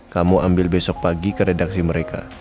kamu ambil besok pagi ke redaksi mereka